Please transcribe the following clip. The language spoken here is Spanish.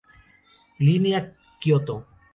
Línea Kioto